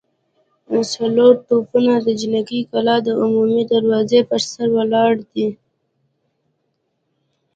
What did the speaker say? څلور توپونه د جنګي کلا د عمومي دروازې پر سر ولاړ دي.